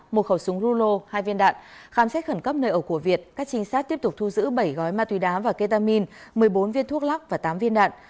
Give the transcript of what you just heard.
một khẩu súng rulo hai viên đạn khám xét khẩn cấp nơi ở của việt các trinh sát tiếp tục thu giữ bảy gói ma túy đá và ketamin một mươi bốn viên thuốc lắc và tám viên đạn